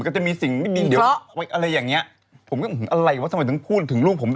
จะเหนียวหมอลักษณ์เลย